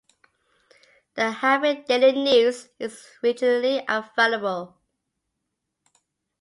The "Havre Daily News" is regionally available.